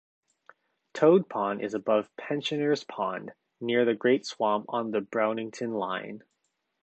Toad Pond is above Pensioners Pond, near the great swamp on the Brownington line.